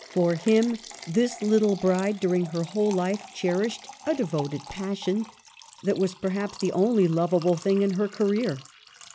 For him his little bride, during her whole life, cher ished a devoted passion, that was, perhaps, the only lovable thing in her career.